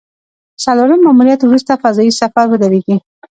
څلورم ماموریت وروسته فضايي سفر ودرېږي